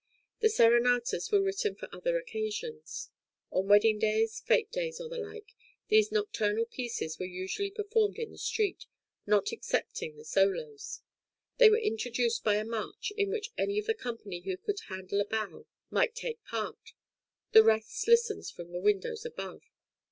The serenatas were written for other occasions. On wedding days, fête days, or the like, these nocturnal pieces were usually performed in the street, not excepting the solos; they were introduced by a march, in which any of the company who could handle a bow might take part; the rest listened from the windows above.